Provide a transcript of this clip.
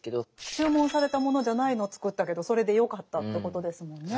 注文されたものじゃないのを作ったけどそれでよかったってことですもんね。